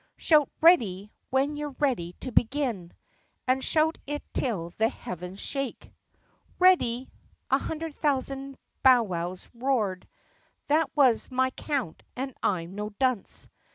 Shout 'Ready !' when you 're ready to begin And shout it till the heavens shake!" "Ready!" a hundred thousand bowwows roared. (That was my count and I 'm no dunce.)